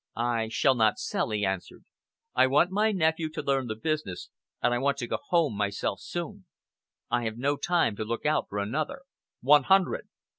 "I shall not sell" he answered. "I want my nephew to learn the business, and I want to go home myself soon. I have no time to look out for another." "One hundred!"